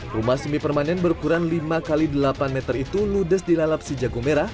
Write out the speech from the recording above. rumah semi permanen berukuran lima x delapan meter itu ludes dilalap si jago merah